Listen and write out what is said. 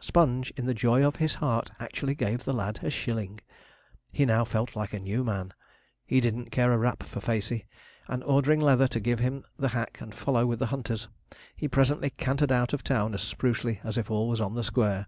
Sponge, in the joy of his heart, actually gave the lad a shilling! He now felt like a new man. He didn't care a rap for Facey, and, ordering Leather to give him the hack and follow with the hunters, he presently cantered out of town as sprucely as if all was on the square.